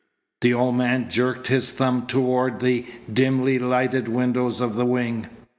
The old man jerked his thumb toward the dimly lighted windows of the wing.